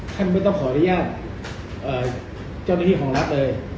ไม่ต้องขออนุญาตเจ้าหน้าที่ของรัฐเลย